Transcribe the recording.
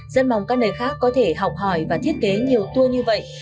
rất mong các nơi khác có thể học hỏi và thiết kế nhiều tour như vậy